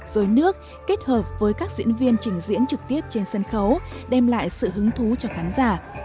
dối nước kết hợp với các diễn viên trình diễn trực tiếp trên sân khấu đem lại sự hứng thú cho khán giả